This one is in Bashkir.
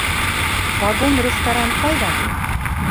Вагон-ресторан ҡайҙа?